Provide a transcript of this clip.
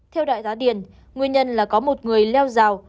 theo đại giá điền nguyên nhân là có một người leo rào